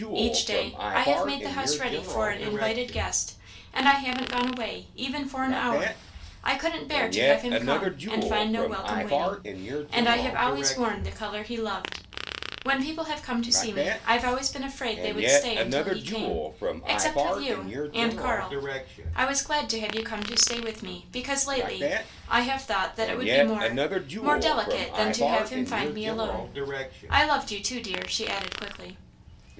Each day, I have made the house ready for an invited guest and I haven't gone away, even for an hour. I couldn't bear to have him come and find no welcome waiting, and I have always worn the colour he loved. When people have come to see me, I've always been afraid they would stay until he came, except with you and Carl. I was glad to have you come to stay with me, because, lately, I have thought that it would be more more delicate than to have him find me alone. I loved you, too, dear," she added quickly.